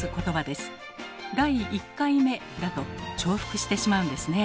「第一回目」だと重複してしまうんですね。